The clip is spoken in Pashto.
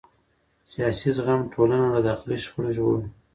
سیاسي زغم ټولنه له داخلي شخړو ژغوري